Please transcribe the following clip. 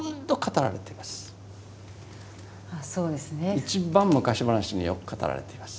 一番昔話によく語られています。